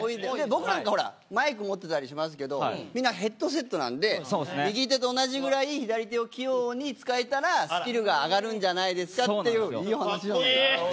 僕らはマイク持ってたりしますけど、今ヘッドセットなんで右手と同じぐらい左手を器用に使えたらスキルが上がるんじゃないですかという話を。